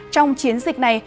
trong chiến dịch này